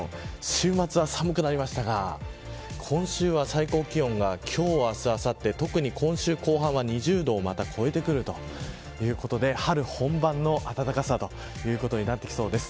週末は寒くなりましたが今週は最高気温が今日、明日、あさって特に今週後半はまた２０度を超えてくるということで春本番の暖かさということになってきそうです。